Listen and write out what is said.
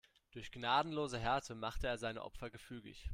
Durch gnadenlose Härte macht er seine Opfer gefügig.